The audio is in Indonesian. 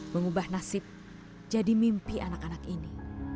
mengubah nasib jadi mimpi anak anak ini